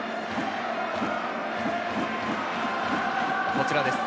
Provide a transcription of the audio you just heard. こちらです。